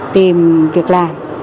tìm việc làm